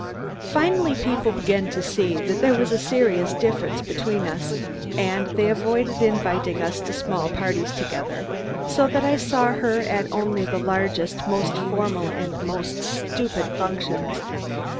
Finally people began to see that there was a serious difference between us and they avoided inviting us to small parties together, so that I saw her at only the largest, most formal and most stupid functions.